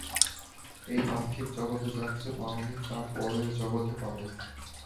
এই পার্থিব জগতে যা কিছু পাওনি তা পরের জগতে পাবে।